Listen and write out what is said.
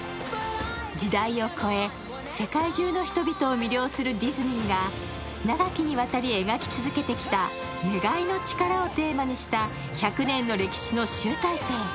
時代を超え、世界中の人々を魅了するディズニーが長きにわたり描き続けてきた願いの力を１００年の歴史の集大成。